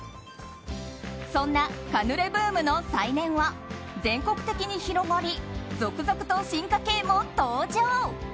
そんなカヌレブームの再燃は全国的に広がり続々と進化系も登場。